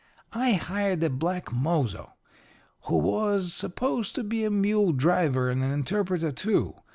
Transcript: I hired a black mozo, who was supposed to be a mule driver and an interpreter too.